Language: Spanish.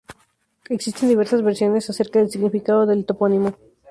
Existen diversas versiones acerca del significado del topónimo.